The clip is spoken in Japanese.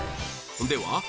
では